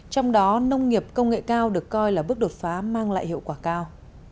trong đó nông nghiệp công nghệ cao được coi là bước đột phá mang lại hiệu quả cao